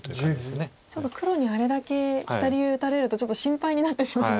ちょっと黒にあれだけ左上打たれるとちょっと心配になってしまうんですが。